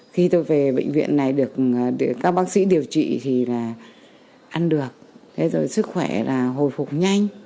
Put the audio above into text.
khi tôi về bệnh viện này được các bác sĩ điều trị thì là ăn được thế rồi sức khỏe là hồi phục nhanh